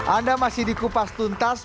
anda masih di kupas tuntas